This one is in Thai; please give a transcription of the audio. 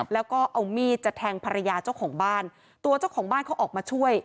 แล้วก็เอามีดจะแทงภรรยาเจ้าของบ้านตัวเจ้าของบ้านเขาออกมาช่วย